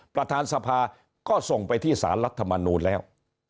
ประธานสภาก็ส่งไปที่สารรัฐมนูลแล้ว